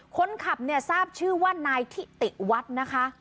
คนขับเนี่ยทราบชื่อว่านายทิติวัฒน์นะคะ